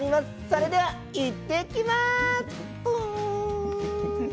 それではいっていきます。